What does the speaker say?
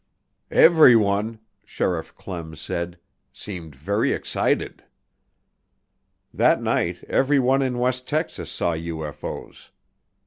"Everyone," Sheriff Clem said, "seemed very excited." That night everyone in West Texas saw UFO's.